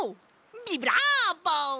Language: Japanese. ビブラボ！